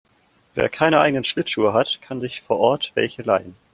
Wer keine eigenen Schlittschuhe hat, kann sich vor Ort welche leihen.